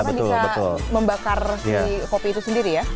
karena bisa membakar kopi itu sendiri ya